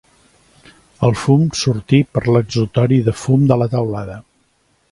El fum sortir per l'exutori de fum de la teulada.